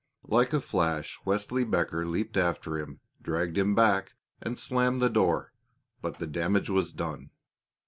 Like a flash Wesley Becker leaped after him, dragged him back, and slammed the door; but the damage was done.